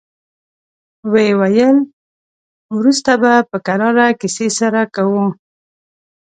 ويې ويل: وروسته به په کراره کيسې سره کوو.